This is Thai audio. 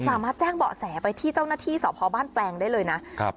สามารถแจ้งเบาะแสไปที่เจ้าหน้าที่สพบ้านแปลงได้เลยนะครับ